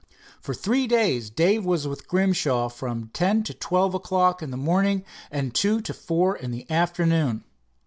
For three days Dave was with Grimshaw from ten to twelve o'clock in the morning and two to four in the afternoon.